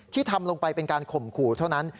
ทำลงไปเป็นการข่มขู่เท่านั้น